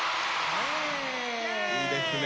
いいですね